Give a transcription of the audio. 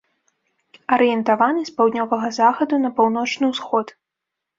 Арыентаваны з паўднёвага захаду на паўночны ўсход.